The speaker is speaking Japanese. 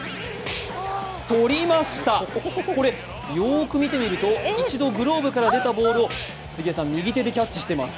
とりました、これ、よく見てみると、一度グローブから出たボールを杉谷さん右手でキャッチしています。